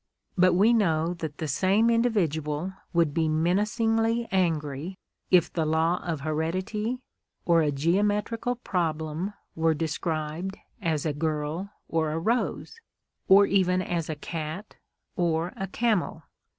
But we know that the same individual would be menacingly angry if the law of heredity or a geometrical problem were described as a girl or a rose—or even as a cat or a camel.